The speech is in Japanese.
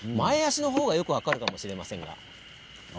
前足の方がよく分かるかもしれません。